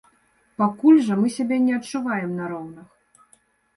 Пакуль жа мы сябе не адчуваем на роўных.